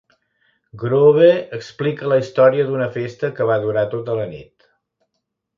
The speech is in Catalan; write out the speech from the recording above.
"Groove" explica la història d'una festa que va durar tota la nit.